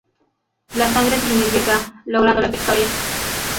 La Sangre significa; logrando la victoria.